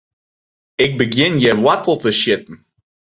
Ik begjin hjir woartel te sjitten.